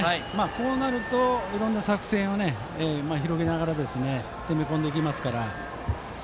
こうなるといろんな作戦を広げながら攻め込んでいけますから。